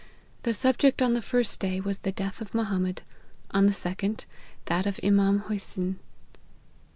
The subject on the first day was the death of Mohammed ; on the second, that of Iman Hosyn."